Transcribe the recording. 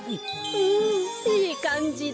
うんいいかんじだ。